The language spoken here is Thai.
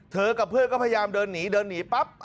กับเพื่อนก็พยายามเดินหนีเดินหนีปั๊บ